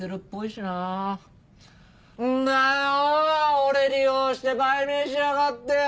俺利用して売名しやがってよ！